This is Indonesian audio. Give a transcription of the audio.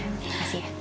terima kasih ya